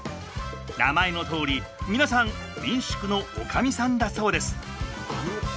名前のとおり皆さん民宿の女将さんだそうです。